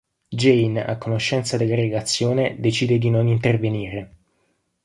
Jane, a conoscenza della relazione, decide di non intervenire.